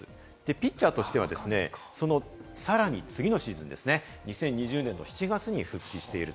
ピッチャーとしてはそのさらに次のシーズンですね、２０２０年７月に復帰している。